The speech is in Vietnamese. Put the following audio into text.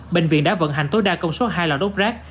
bệnh viện đã vận hành tối đa công suất hai lò đốt rác